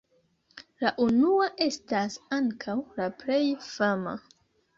La unua estas ankaŭ la plej fama.